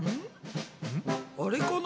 あれかな？